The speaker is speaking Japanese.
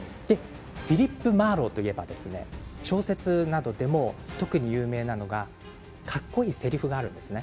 フィリップ・マーロウといえば小説などでも特に有名なのがかっこいいせりふがあるんですね。